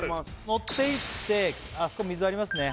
乗っていってあそこ水ありますね